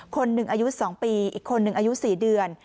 คนหนึ่งอายุ๒ปีอีกคนหนึ่งอายุ๔เดือน